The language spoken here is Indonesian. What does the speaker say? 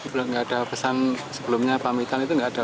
belum nggak ada pesan sebelumnya pamitan itu nggak ada